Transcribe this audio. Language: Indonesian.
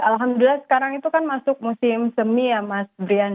alhamdulillah sekarang itu kan masuk musim semi ya mas brian